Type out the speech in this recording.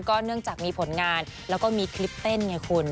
เนื่องจากมีผลงานแล้วก็มีคลิปเต้นไงคุณ